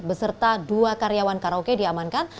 beserta dua karyawan karaoke diamankan